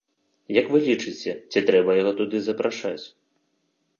Як вы лічыце, ці трэба яго туды запрашаць?